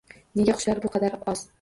— Nega qushlar bu qadar oz?